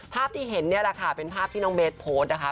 ภาพที่เห็นเนี่ยแหละค่ะเป็นภาพที่น้องเบสโพสต์นะคะ